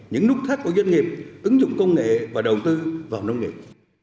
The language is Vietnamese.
những nút thắt của doanh nghiệp ứng dụng công nghệ và đầu tư vào nông nghiệp